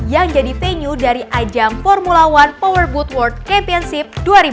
yang jadi venue dari ajang formula one powerboat world championship dua ribu dua puluh